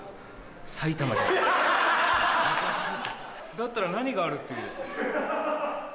だったら何があるっていうんです。